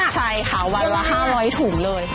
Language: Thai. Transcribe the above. ใช่ค่ะวันละ๕๐๐ถุงเลย